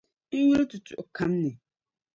N yuli tutuɣu kam ni.